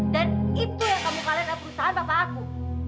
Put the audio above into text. dan itu yang kamu kalahkan perusahaan papa aku